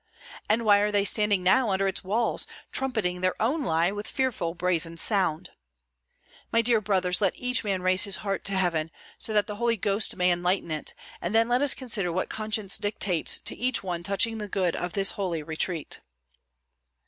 And why are they standing now under its walls, trumpeting their own lie with fearful brazen sound? My dear brothers, let each man raise his heart to heaven, so that the Holy Ghost may enlighten it, and then let us consider what conscience dictates to each one touching the good of this holy retreat."